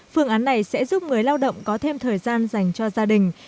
phương án này sẽ giúp người lao động có thêm thời gian dành cho gia đình